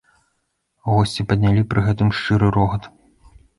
Госці паднялі пры гэтым шчыры рогат.